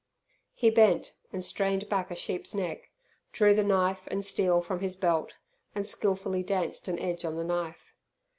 He bent and strained back a sheep's neck, drew the knife and steel from his belt, and skilfully danced an edge on the knife.